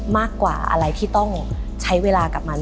มากกว่าอะไรที่ต้องใช้เวลากับมัน